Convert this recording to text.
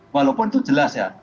walaupun itu jelas ya